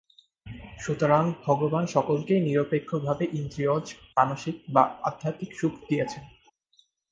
সুতরাং ভগবান সকলকেই নিরপেক্ষভাবে ইন্দ্রিয়জ, মানসিক বা আধ্যাত্মিক সুখ দিয়াছেন।